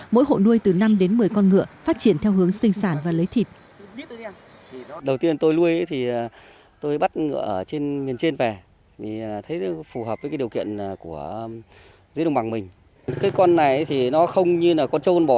mỗi hộ nuôi từ năm đến một mươi con ngựa phát triển theo hướng sinh sản và lấy thịt